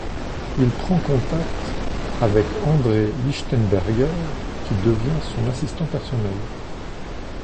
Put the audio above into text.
Il prend contact avec André Lichtenberger qui devient son assistant personnel.